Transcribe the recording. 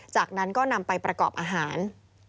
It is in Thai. จากนั้นก็นำไปประกอบอาหาร